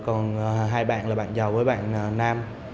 còn hai bạn là bạn giàu với bạn nam